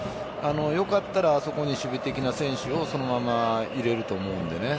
よかったらあそこに守備的な選手をそのまま入れると思うので。